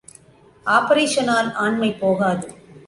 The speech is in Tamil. ஆப்பரேஷனால் ஆண்மை போகாது.